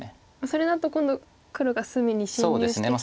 それだと今度黒が隅に侵入してきて。